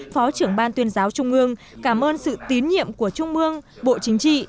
phó trưởng ban tuyên giáo trung ương cảm ơn sự tín nhiệm của trung ương bộ chính trị